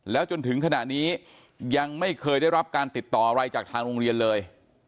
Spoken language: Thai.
จนถึงขณะนี้ยังไม่เคยได้รับการติดต่ออะไรจากทางโรงเรียนเลย